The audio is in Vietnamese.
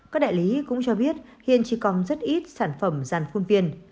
các đại lý cũng cho biết hiện chỉ còn rất ít sản phẩm giàn khuôn viên